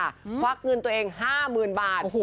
ควักเงินตัวเอง๕๐๐๐บาท